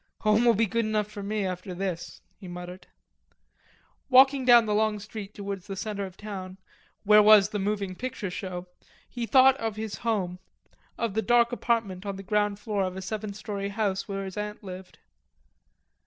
"Home'll be good enough for me after this," he muttered. Walking down the long street towards the centre of town, where was the moving picture show, he thought of his home, of the dark apartment on the ground floor of a seven storey house where his aunt lived.